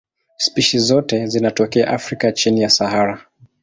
Spishi zote zinatokea Afrika chini ya Sahara.